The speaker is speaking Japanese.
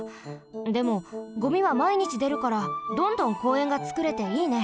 でもゴミはまいにちでるからどんどんこうえんがつくれていいね。